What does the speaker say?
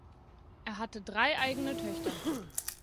Er hatte drei eigene Töchter.